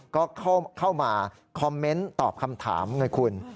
ก็เข้ามาคอมเมนต์ตอบคำถามไงคุณ